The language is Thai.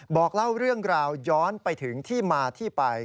บอกเล่าเรื่องราวย้อนไปถึงที่มาที่ไป